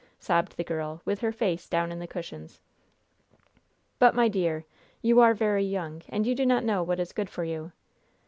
sobbed the girl, with her face down in the cushions. "But, my dear, you are very young, and you do not know what is good for you.